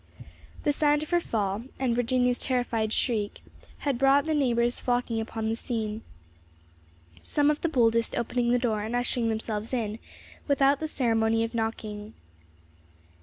The sound of her fall and Virginia's terrified shriek had brought the neighbors flocking upon the scene; some of the boldest opening the door and ushering themselves in without the ceremony of knocking.